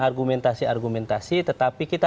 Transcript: argumentasi argumentasi tetapi kita